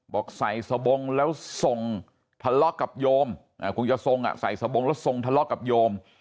บอกใส่สบงแล้วส่งทะเลาะกับโยมคงจะทรงใส่สบงแล้วทรงทะเลาะกับโยม